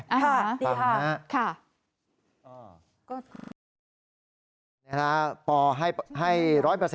ฟังนะค่ะดีค่ะค่ะ